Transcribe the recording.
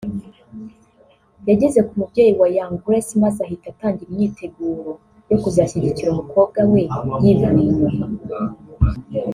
yageze ku mubyeyi wa Young Grace maze ahita atangira imyiteguro yo kuzashyigikira umukobwa we yivuye inyuma